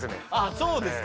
そうですか。